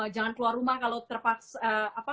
jangan keluar rumah kalau terpaksa